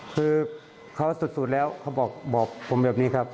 คือเขาสุดแล้วเขาบอกผมแบบนี้ครับ